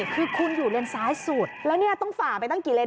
คือคุณอยู่เลนซ้ายสุดแล้วเนี่ยต้องฝ่าไปตั้งกี่เลน